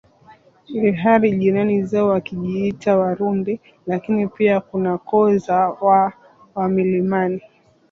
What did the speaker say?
Ilhali jirani zao wakijiita warundi lakini pia kuna koo za waha wa milimani